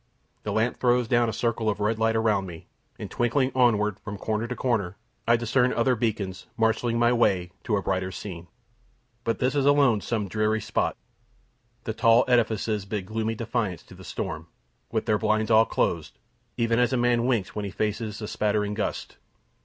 The lamp throws down a circle of red light around me; and twinkling onward from corner to corner, I discern other beacons marshalling my way to a brighter scene. But this is alone some and dreary spot. The tall edifices bid gloomy defiance to the storm, with their blinds all closed, even as a man winks when he faces a spattering gust.